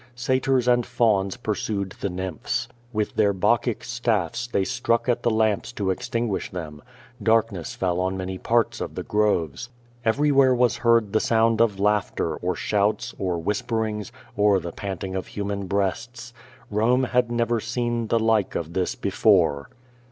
Satyrs and fauns pursued the nymphs. With their Bacchic staffs they struck at the lamps to extinguish them. Darkness fell on many parts of the groves. Everywhere was heard the sound of laughter, or shouts, or whisperings, or the panting of human breasts. Rome had never seen the like of this before.